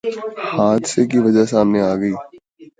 حادثے کی وجہ سامنے آگئی